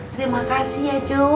terima kasih ya cu